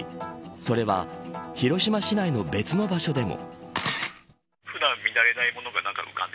それは広島市内の別の場所でも。